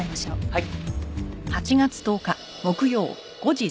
はい。